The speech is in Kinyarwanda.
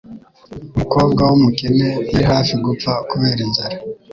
Umukobwa wumukene yari hafi gupfa kubera inzara